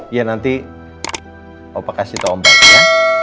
iya nanti opa kasih tau om baik ya